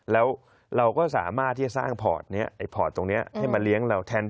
แล้วเราก็สามารถที่จะสร้างพอร์ตนี้ไอ้พอร์ตตรงนี้ให้มาเลี้ยงเราแทน